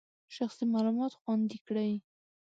شخصي معلومات خوندي کړئ.